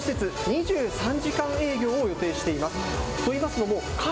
この施設、２３時間営業を予定しています。